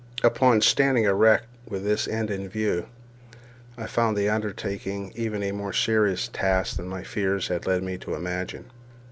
Upon standing erect, with this end in view, I found the undertaking even a more serious task than my fears had led me to imagine.